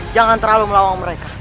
jangan terlalu melawang mereka